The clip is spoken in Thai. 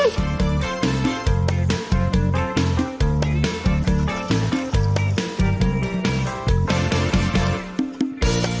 สวัสดีครับ